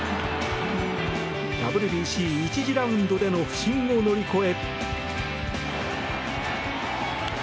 ＷＢＣ１次ラウンドでの不振を乗り越え。